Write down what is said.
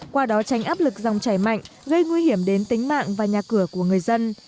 qua đó tránh áp lực dòng chảy mạnh gây nguy hiểm đến tính mạng và nhà cửa của người dân